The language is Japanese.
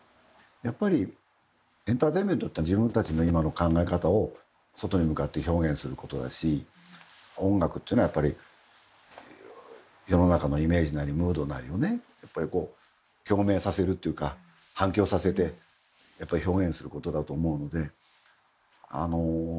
やっぱりエンターテインメントってのは自分たちの今の考え方を外に向かって表現することだし音楽っていうのは、やっぱり世の中のイメージなりムードなりを共鳴させるというか反響させて表現することだと思うので。